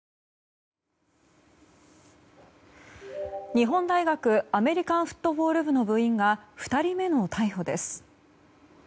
日本大学アメリカンフットボール部の部員が２人目の逮捕です。